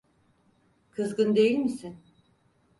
Kızgın değil misin?